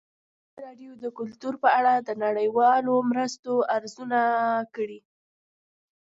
ازادي راډیو د کلتور په اړه د نړیوالو مرستو ارزونه کړې.